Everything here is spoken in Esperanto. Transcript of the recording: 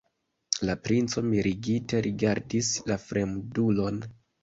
La princo mirigite rigardis la fremdulon.